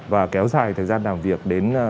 và kéo dài thời gian làm việc đến